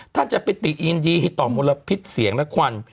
ท่านจะปิติยินดีต่อมลพิษเสียงและควัน